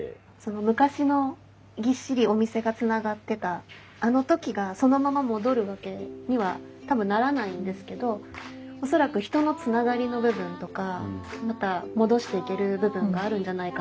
昔のぎっしりお店がつながってたあの時がそのまま戻るわけには多分ならないんですけど恐らく人のつながりの部分とかまた戻していける部分があるんじゃないかなと思っていて。